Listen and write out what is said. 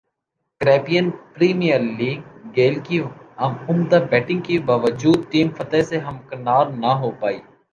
Caribbean premier league Gayle کی عمدہ batting کے باوجود ٹیم فتح سے ہمکنار نہ ہو پائی